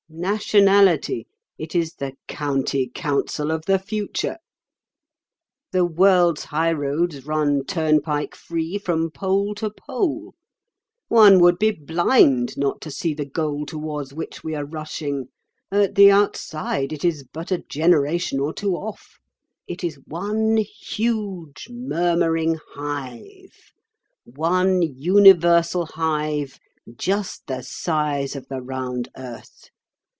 Nationality—it is the County Council of the future. The world's high roads run turnpike free from pole to pole. One would be blind not to see the goal towards which we are rushing. At the outside it is but a generation or two off. It is one huge murmuring Hive—one universal Hive just the size of the round earth.